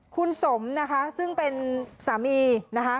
คุณสมนะคะซึ่งเป็นสามีนะคะ